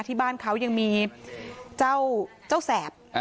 ที่บ้านเขายังมีเจ้าแสบ